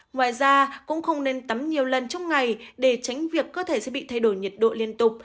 ngoài ra cũng không nên tắm nhiều lần trong ngày để tránh việc cơ thể sẽ bị thay đổi nhiệt độ liên tục